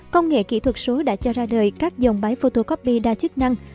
công nghệ kỹ thuật số đã cho ra đời các dòng máy photocopy đa chức năng